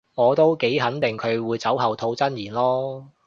我都幾肯定佢會酒後吐真言囉